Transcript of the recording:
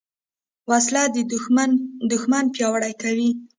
وسله د دوښمن پیاوړي کوي